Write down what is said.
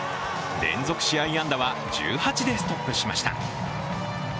連続試合安打は１８でストップしました。